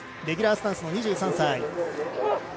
レギュラースタンスの２３歳。